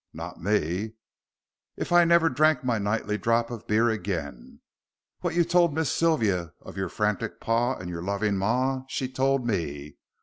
Not me, if I never drank my nightly drop of beer again. What you told Miss Sylvia of your frantic pa and your loving ma she told me.